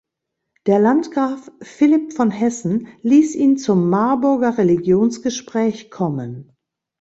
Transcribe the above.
Der Landgraf Philipp von Hessen ließ ihn zum Marburger Religionsgespräch kommen.